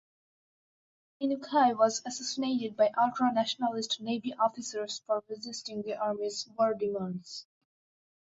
Inukai was assassinated by ultra-nationalist navy officers for resisting the Army's war demands.